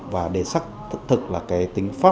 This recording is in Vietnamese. và để xác thực thực là cái tính pháp